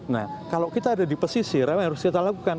nah kalau kita ada di pesisir apa yang harus kita lakukan